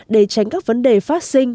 để tránh các vấn đề phát sinh